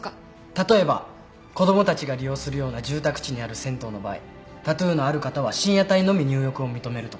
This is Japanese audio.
例えば子供たちが利用するような住宅地にある銭湯の場合タトゥーのある方は深夜帯のみ入浴を認めるとか。